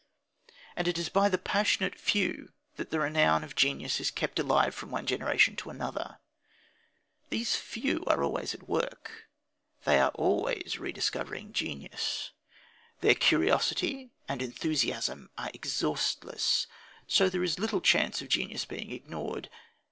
And it is by the passionate few that the renown of genius is kept alive from one generation to another. These few are always at work. They are always rediscovering genius. Their curiosity and enthusiasm are exhaustless, so that there is little chance of genius being ignored.